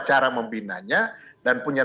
cara membinanya dan punya